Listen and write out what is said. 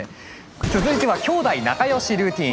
続いては「兄妹仲良しルーティン」。